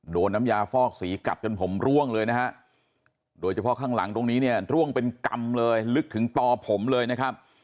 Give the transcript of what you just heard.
น้ำยาฟอกสีกัดจนผมร่วงเลยนะฮะโดยเฉพาะข้างหลังตรงนี้เนี่ยร่วงเป็นกำเลยลึกถึงตอผมเลยนะครับ